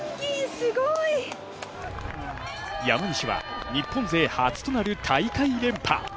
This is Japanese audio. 山西は日本勢初となる大会連覇。